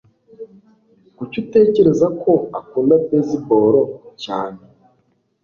Kuki utekereza ko akunda baseball cyane?